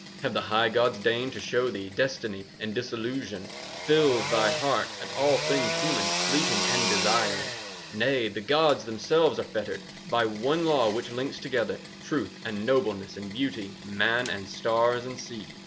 Have the high gods deigned to show thee 5 Destiny, and disillusion Fills thy heart at all things human, Fleeting and desired? Nay, the gods themselves are fettered By one law which links together 10 Truth and nobleness and beauty, Man and stars and sea.